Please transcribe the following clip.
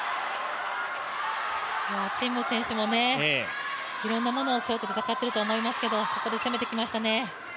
陳夢選手もいろんなものを背負って戦っていると思いますが、攻めてきましたね。